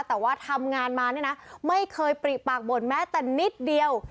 แต่ว่าทำงานมาเนี่ยนะไม่เคยปริปากบ่นแม้แต่นิดเดียว